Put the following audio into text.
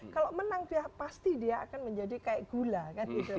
kalau menang ya pasti dia akan menjadi kayak gula kan gitu